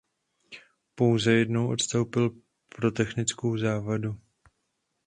Pouze jednou odstoupil pro technickou závadu.